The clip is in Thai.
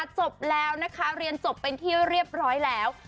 จบแล้วนะคะเรียนจบเป็นที่เรียบร้อยแล้ว